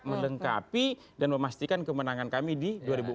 melengkapi dan memastikan kemenangan kami di dua ribu empat belas